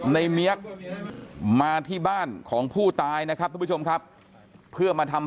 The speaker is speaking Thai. เมียกมาที่บ้านของผู้ตายนะครับทุกผู้ชมครับเพื่อมาทำ